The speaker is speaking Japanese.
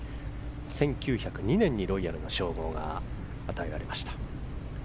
１９０２年にロイヤルの称号が与えられました。